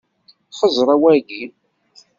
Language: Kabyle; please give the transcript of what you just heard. Xeẓẓeṛ wayi.